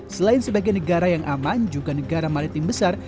selain sebagai negara yang aman juga negara maritim besar